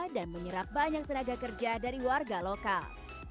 dan menyerap banyak tenaga kerja dari warga lokal